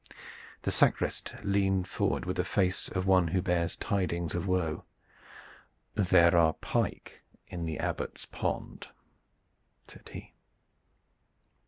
The sacrist leaned forward with the face of one who bears tidings of woe. "There are pike in the Abbot's pond," said he.